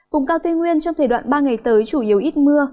vùng cao tây nguyên trong thời đoạn ba ngày tới chủ yếu ít mưa